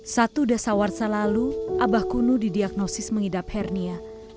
satu desa warsa lalu abah kunu didiagnosis mengidap hernia